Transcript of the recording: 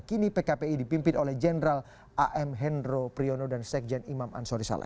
kini pkpi dipimpin oleh jenderal a m henro priyono dan sekjen imam ansori saleh